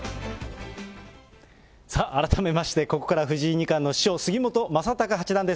さあ、改めまして、ここから藤井二冠の師匠、杉本昌隆八段です。